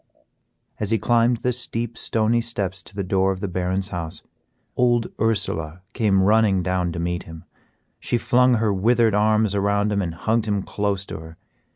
As he climbed the steep, stony steps to the door of the Baron's house, old Ursela came running down to meet him. She flung her withered arms around him and hugged him close to her.